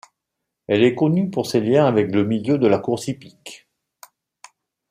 Elle est connue pour ses liens avec le milieu de la course hippique.